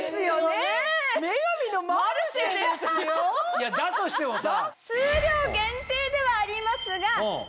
いやだとしてもさ。